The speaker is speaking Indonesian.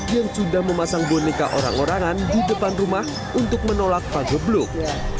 yang sudah memasang boneka orang orangan di depan rumah untuk menolak pagebluk